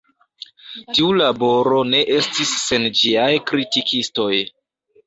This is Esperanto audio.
Tiu laboro ne estis sen ĝiaj kritikistoj.